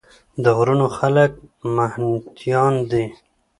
د غرونو خلک محنتيان دي ـ